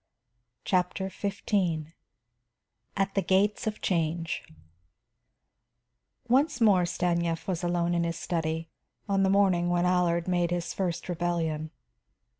CHAPTER XV AT THE GATES OF CHANGE Once more Stanief was alone in his study, on the morning when Allard made his first rebellion.